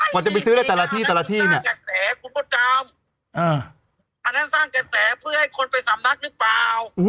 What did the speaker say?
ว่าจะไปซื้อแล้วแต่ละที่แต่ละที่เนี่ยกระแสคุณพ่อจำอันนั้นสร้างกระแสเพื่อให้คนไปสำนักหรือเปล่า